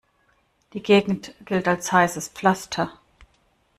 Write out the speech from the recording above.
Die Gegend gilt als heißes Pflaster.